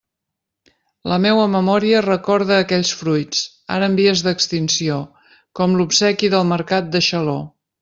La meua memòria recorda aquells fruits, ara en vies d'extinció, com l'obsequi del mercat de Xaló.